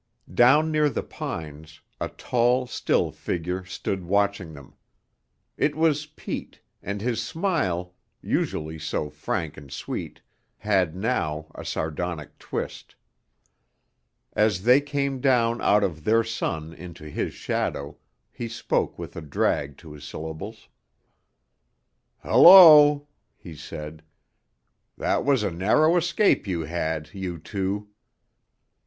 Down near the pines a tall, still figure stood watching them. It was Pete, and his smile, usually so frank and sweet, had now a sardonic twist. As they came down out of their sun into his shadow, he spoke with a drag to his syllables. "Hullo," he said. "That was a narrow escape you had, you two!"